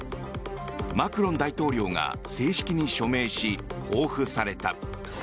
マクロン大統領が正式に署名し公布された。